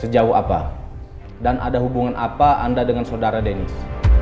sejauh apa dan ada hubungan apa anda dengan saudara deniz